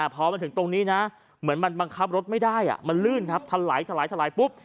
พอมาถึงตรงนี้นะเหมือนมันบังคับรถไม่ได้มันลื่นครับทะไหลทะลายถลายปุ๊บ